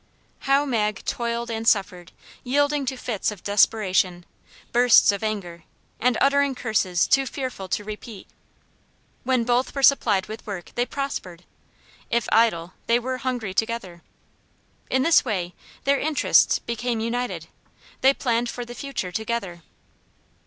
How Mag toiled and suffered, yielding to fits of desperation, bursts of anger, and uttering curses too fearful to repeat. When both were supplied with work, they prospered; if idle, they were hungry together. In this way their interests became united; they planned for the future together.